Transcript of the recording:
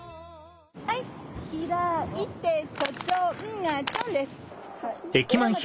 はい開いてちょちょんがちょんです。